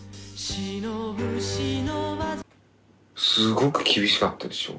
すごく厳しかったでしょ。